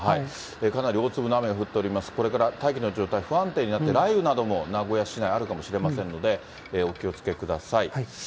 かなり大粒の雨が降っております、これから大気の状態不安定になって、雷雨なども名古屋市内あるかもしれませんので、お気をつけください。